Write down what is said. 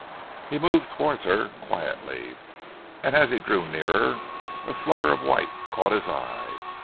He moved towards her quietly, and as he drew nearer a flutter of white caught his eye.